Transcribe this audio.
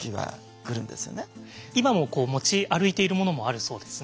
今もこう持ち歩いているものもあるそうですね。